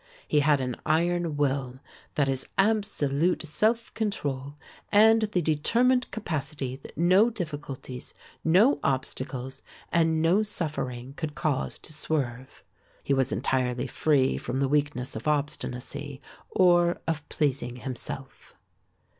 He had an iron will, that is absolute self control and the determined capacity that no difficulties, no obstacles and no suffering could cause to swerve. He was entirely free from the weakness of obstinacy, or of pleasing himself.